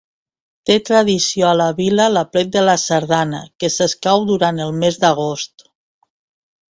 Té tradició a la vila l'aplec de la sardana, que s'escau durant el mes d'agost.